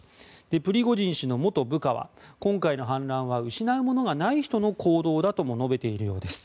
プリゴジン氏の元部下は今回の反乱は失うものがない人の行動だとも述べているようです。